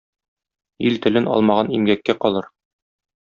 Ил телен алмаган имгәккә калыр.